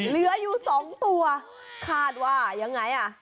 เหลืออยู่๒ตัวขาดว่ายังไง